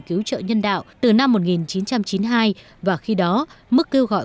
cứu trợ nhân đạo từ năm một nghìn chín trăm chín mươi hai và khi đó mức kêu gọi